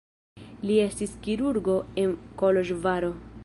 Li estis kirurgo en Koloĵvaro.